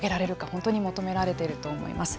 本当に求められていると思います。